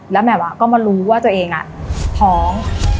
และแหมละวะก็มารู้ว่าตัวเองถอง